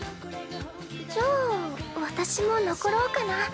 じゃあ私も残ろうかな。